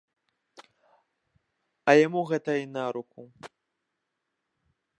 А яму гэта й наруку.